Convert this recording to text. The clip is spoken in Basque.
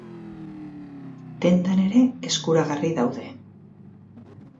Dendan ere eskuragarri daude.